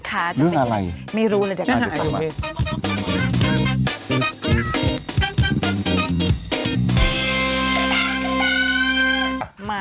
เรื่องอะไรอยู่ตรงไหนอยู่ตรงไหนไม่รู้เลยเดี๋ยวค่ะ